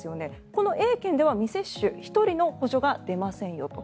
このＡ県では未接種１人の補助が出ませんよと。